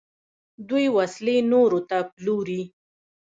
دوی وسلې نورو ته پلوري.